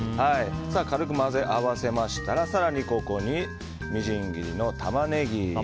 軽く混ぜ合わせましたら更にここにみじん切りのタマネギ。